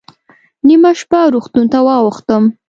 نیمه شپه روغتون ته واوښتم.